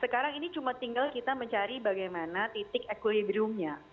sekarang ini cuma tinggal kita mencari bagaimana titik equilibriumnya